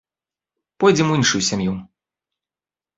Пойдзем у іншую сям'ю.